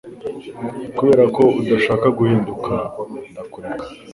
Kubera ko udashaka guhinduka ndakureka